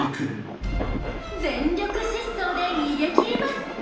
全力疾走で逃げきります。